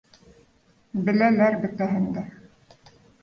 Беләләр бөтәһен дә